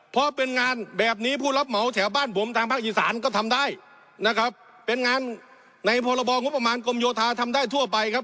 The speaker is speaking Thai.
เพราะเป็นงานแบบนี้ผู้รับเหมาแถวบ้านผมทางภาคอีสานก็ทำได้นะครับเป็นงานในพรบงบประมาณกรมโยธาทำได้ทั่วไปครับ